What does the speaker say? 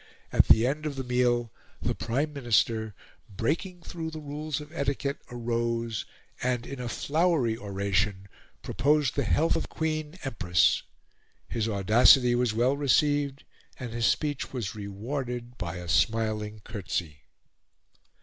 At the end of the meal the Prime Minister, breaking through the rules of etiquette, arose, and in a flowery oration proposed the health of the Queen Empress. His audacity was well received, and his speech was rewarded by a smiling curtsey.